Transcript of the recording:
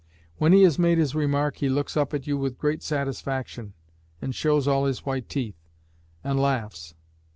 When he has made his remark he looks up at you with great satisfaction, and shows all his white teeth, and laughs....